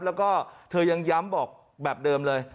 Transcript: แล้วก็เธอยังย้ำบอกแบบเดิมเลย